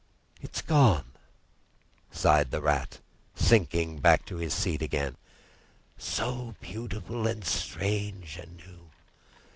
"It's gone!" sighed the Rat, sinking back in his seat again. "So beautiful and strange and new.